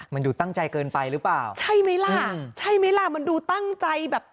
มันดูตั้งใจเกินไปหรือเปล่าใช่ไหมล่ะใช่ไหมล่ะมันดูตั้งใจแบบ